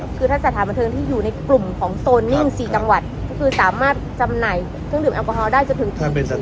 การประชุมเมื่อวานมีข้อกำชับหรือข้อกำชับอะไรเป็นพิเศษ